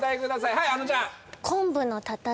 はいあのちゃん。